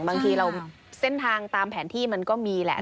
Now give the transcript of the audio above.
บางทีเราเส้นทางตามแผนที่มันก็มีแหละ